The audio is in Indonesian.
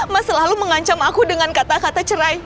mas selalu mengancam aku dengan kata kata cerai